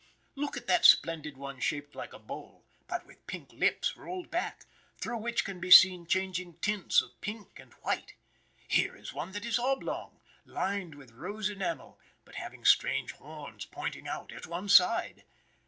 Look at that splendid one shaped like a bowl, but with pink lips rolled back, through which can be seen changing tints of pink and white. Here is one that is oblong, lined with rose enamel, but having strange horns pointing out at one side.